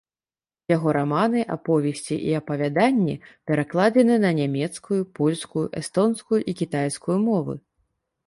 Яго раманы, аповесці і апавяданні перакладзены на нямецкую, польскую, эстонскую і кітайскую мовы.